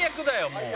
もう。